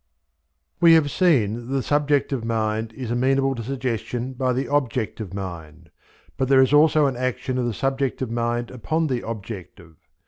We have seen that the subjective mind is amenable to suggestion by the objective mind; but there is also an action of the subjective mind upon the objective.